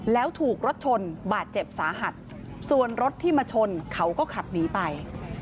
แล้วถูกรถชนบาดเจ็บสาหัสส่วนรถที่มาชนเขาก็ขับหนีไป